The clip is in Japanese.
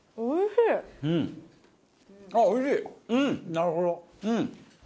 なるほど！